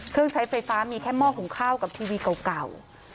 เครื่องใช้ไฟฟ้ามีแค่หม้อหุงข้าวกับทีวีเก่า